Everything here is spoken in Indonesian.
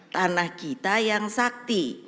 tanah kita yang sakti